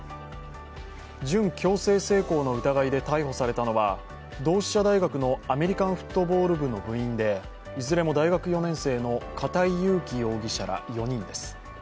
準強制性交の疑いで逮捕されたのは同志社大学のアメリカンフットボール部の部員でいずれも大学４年生の片井裕貴容疑者ら４人です。